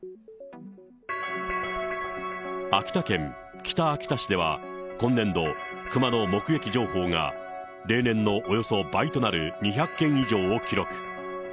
秋田県北秋田市では、今年度、クマの目撃情報が例年のおよそ倍となる２００件以上を記録。